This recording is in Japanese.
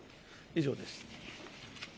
以上です。